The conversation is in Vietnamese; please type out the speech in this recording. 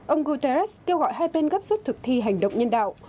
ông guterres kêu gọi hai bên gấp suất thực thi hành động nhân đạo